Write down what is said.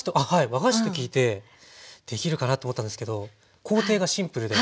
和菓子と聞いてできるかなと思ったんですけど工程がシンプルであっどうですかね？